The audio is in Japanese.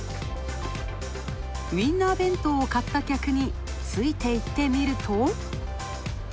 ウインナー弁当を買った客についていってみると。